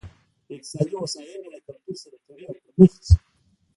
اقتصادي هوساینه له کلتور سره تړي او پرمخ ځي.